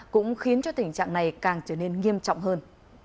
cũng khiến cho tình trạng này càng trở nên nghiêm trọng hơn